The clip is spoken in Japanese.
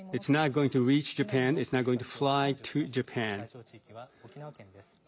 対象地域は沖縄県です。